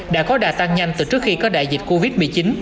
đã có đà tăng nhanh từ trước khi có đại dịch covid một mươi chín